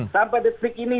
sampai detik ini